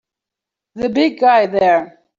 The big guy there!